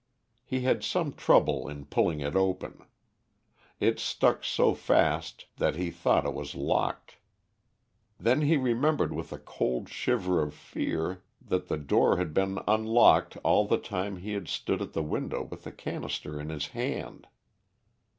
He had some trouble in pulling it open. It stuck so fast that he thought it was locked; then he remembered with a cold shiver of fear that the door had been unlocked all the time he had stood at the window with the canister in his hand.